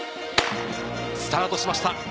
スタートしました。